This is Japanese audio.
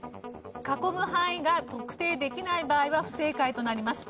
囲む範囲が特定できない場合は不正解となります。